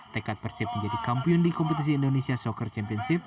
tekad persib menjadi kampiun di kompetisi indonesia soccer championship